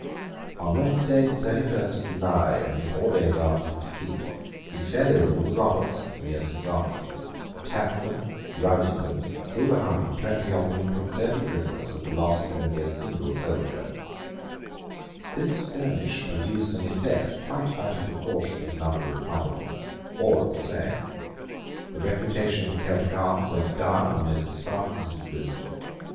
On Wednesday the thirty first of July, only four days after his defeat, he fell in with the Robertsons near Saint Johnston's, attacked them, routed them, killed a hundred and twenty of them, and took thirty prisoners, with the loss of only a single soldier, This skirmish produced an effect quite out of proportion to the number of the combatants or of the slain. The reputation of the Celtic arms went down almost as fast as it had risen.